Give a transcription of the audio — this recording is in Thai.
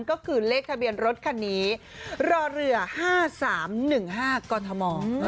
ก็คือเลขทะเบียนรถคันนี้รอเรือ๕๓๑๕กฎธม